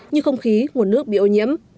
như không khí nguồn nước bị ô nhiễm